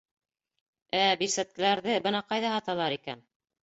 Ә, бирсәткәләрҙе, бына ҡайҙа һаталар икән